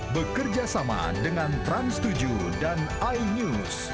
bekerjasama dengan trans tujuh dan inews